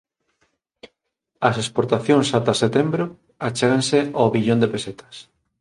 As exportacións ata setembro achéganse o billón de pesetas